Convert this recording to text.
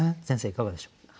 先生いかがでしょう？